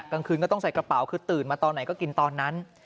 กลางคืนก็ต้องใส่กระเป๋าคือตื่นมาตอนไหนก็กินตอนนั้น